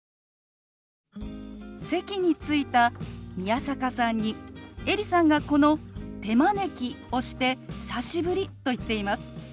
席に着いた宮坂さんにエリさんがこの「手招き」をして「久しぶり」と言っています。